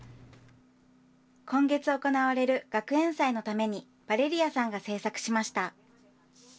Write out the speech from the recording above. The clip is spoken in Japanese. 今月行われる学園祭のために、ヴァレリアさんが制作しました。